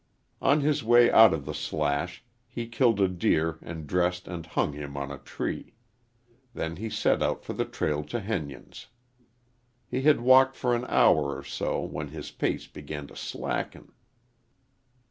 On his way out of the slash he killed a deer, and dressed and hung him on a tree. Then he set out for the trail to Henyon's. He had walked for an hour or so when his pace began to slacken.